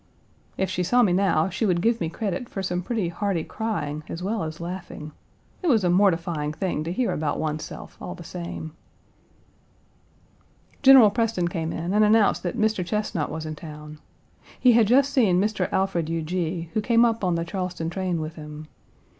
If she saw me now she would give me credit for some pretty hearty crying as well as laughing. It was a mortifying thing to hear about one's self, all the same. General Preston came in and announced that Mr. Chesnut was in town. He had just seen Mr. Alfred Huger, who came up on the Charleston train with him.